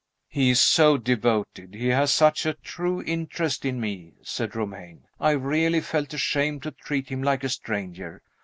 "He is so devoted he has such a true interest in me," said Romayne "I really felt ashamed to treat him like a stranger.